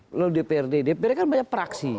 lalu dprd dprd kan banyak praksi